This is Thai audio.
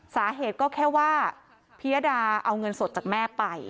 สาเหตุก็แค่ว่าพิยดาเอาเงินสดจากแม่ไป